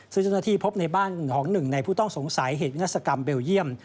ซึ่งเจ้าหน้าที่พบในบ้านของหนึ่งในผู้ต้องสงสัยเหตุวิศกรรมเบลเยี่ยม